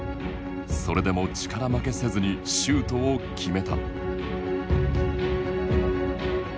それでも力負けせずにシュートを決めた。